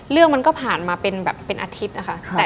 เรื่องมันก็ผ่านมาเป็นอาทิตย์ค่ะ